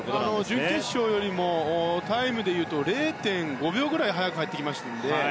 準決勝よりもタイムでいうと０．５秒くらい早く入ってきましたので。